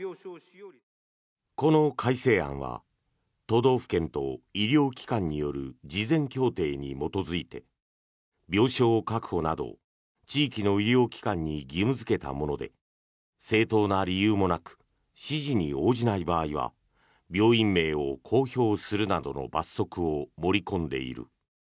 この改正案は都道府県と医療機関による事前協定に基づいて病床確保などを地域の医療機関に義務付けたもので正当な理由もなく指示に応じない場合は病院名を公表するなどの罰則を盛り込んでいる。